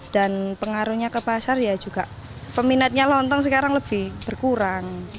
dan pengaruhnya ke pasar ya juga peminatnya lontong sekarang lebih berkurang